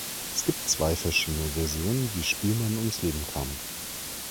Es gibt zwei verschiedene Versionen, wie Spielmann ums Leben kam.